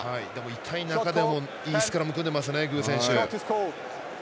痛い中でもいいスクラム組んでます、具選手。